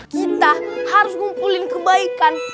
kita harus ngumpulin kebaikan